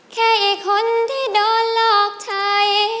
แค่อีกคนที่โดนหลอกใช้